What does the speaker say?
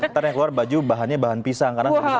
ntar yang keluar baju bahannya bahan pisang karena aku suka pisang